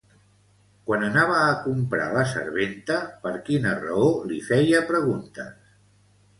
Quan anava a comprar la serventa, per quina raó li feia preguntes?